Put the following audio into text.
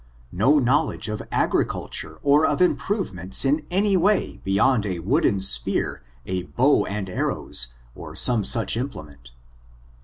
— no knowledge of agriculture or of improvements in any way beyond a wooden spear, a bow and arrows, or some such im plement?